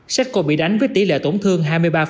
setsko bị đánh với tỷ lệ tổn thương hai mươi ba